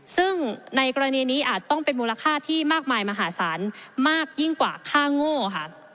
ซึ่งในกรณีนี้อาจต้องเป็นมูลค่าที่มากมายมหาศาลมากยิ่งกว่าค่าโง่ค่ะ